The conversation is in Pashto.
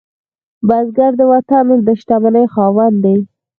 بزګر د وطن د شتمنۍ خاوند دی